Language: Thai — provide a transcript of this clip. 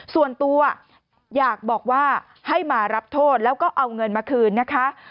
ส่วนตัวอยากบอกว่าให้มารับโทษแล้วก็เอาเงินมาคืนนะคะ